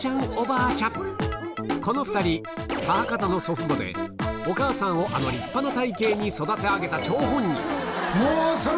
この２人母方の祖父母でお母さんをあの立派な体形に育て上げた張本人